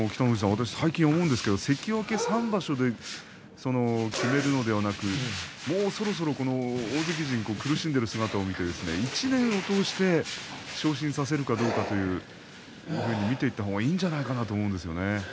私、最近思うんですけれど関脇３場所で決めるのではなくもう少し、大関陣が苦しんでいる姿を見て１年を通して昇進させるかどうかというのを見ていった方がいいんじゃないかなと思うんですよね。